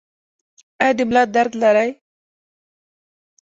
ایا د ملا درد لرئ؟